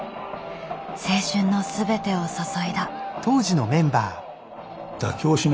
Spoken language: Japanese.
青春の全てを注いだ。